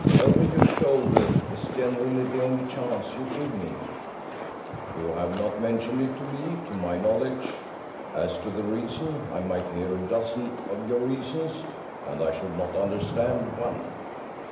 "Over your shoulder is generally the only chance you give me." "You have not mentioned it to me, to my knowledge. As to the reason, I might hear a dozen of your reasons, and I should not understand one.